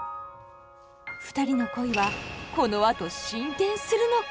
ふたりの恋はこのあと進展するのか。